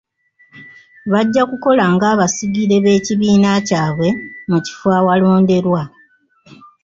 Bajja kukola nga abasigire b'ekibiina kyabwe mu kifo awalonderwa.